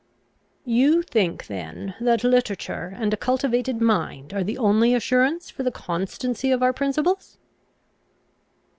"You think, then, that literature and a cultivated mind are the only assurance for the constancy of our principles!"